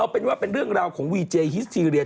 เป็นว่าเป็นเรื่องราวของวีเจฮิสทีเรีย